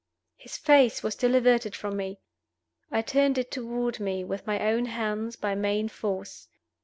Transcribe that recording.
His face was still averted from me. I turned it toward me, with my own hands, by main force.